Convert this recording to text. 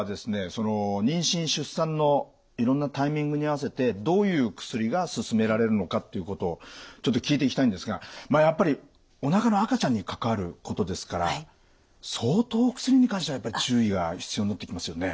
その妊娠・出産のいろんなタイミングに合わせてどういう薬がすすめられるのかっていうことをちょっと聞いていきたいんですがまあやっぱりおなかの赤ちゃんに関わることですから相当薬に関してはやっぱり注意が必要になってきますよね？